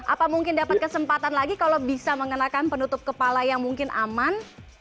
apa mungkin dapat kesempatan lagi kalau bisa mengenakan penutup kepala yang mungkin aman